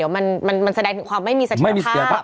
มันแสดงถึงความไม่มีเสถียรภาพ